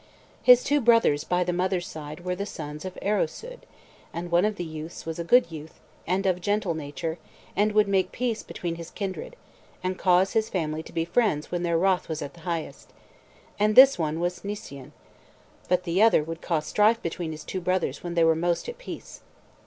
His two brothers by the mother's side were the sons of Euroswydd, and one of these youths was a good youth, and of gentle nature, and would make peace between his kindred, and cause his family to be friends when their wrath was at the highest, and this one was Nissyen; but the other would cause strife between his two brothers when they were most at peace.